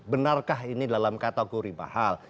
benarkah ini dalam kategori mahal